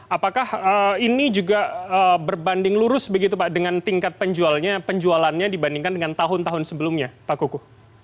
apakah ini juga berbanding lurus begitu pak dengan tingkat penjualannya dibandingkan dengan tahun tahun sebelumnya pak kuku